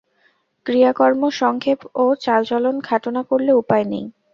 ক্রিয়াকর্ম সংক্ষেপ ও চালচলন খাটো না করলে উপায় নেই।